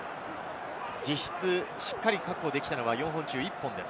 実質しっかり確保できたのは４本中１本です。